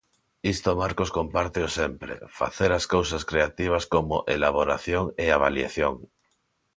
Isto Marcos compárteo sempre, facer as cousas creativas como elaboración e avaliación.